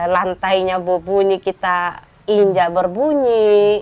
lantainya berbunyi kita injak berbunyi